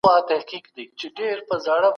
ټولني له پخوا څخه د هوساينې غوښتنه کوله.